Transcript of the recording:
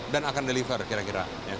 dan akan deliver kira kira